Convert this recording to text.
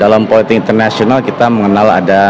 dalam politik internasional kita mengenal ada